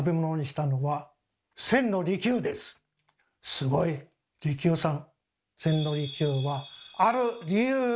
すごい利休さん。